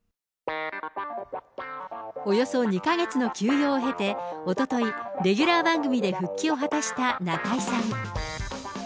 およそ２か月の休養を経て、おととい、レギュラー番組で復帰を果たした中居さん。